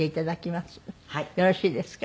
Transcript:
よろしいですか？